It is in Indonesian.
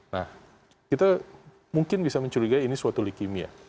nah kita mungkin bisa mencurigai ini suatu leukemia